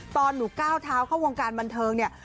ตอนหนูก้าวเท้าเข้าวงการบันเทิงเนี่ย